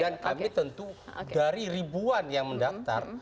dan kami tentu dari ribuan yang mendaftar